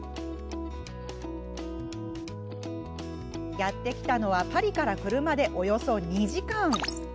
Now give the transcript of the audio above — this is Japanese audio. やって来たのはパリから車で、およそ２時間。